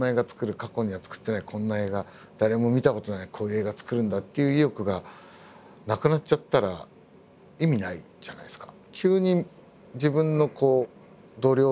過去には作ってないこんな映画誰も見たことないこういう映画を作るんだっていう意欲がなくなっちゃったら意味ないじゃないですか。